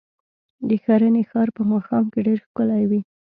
د ښرنې ښار په ماښام کې ډېر ښکلی وي.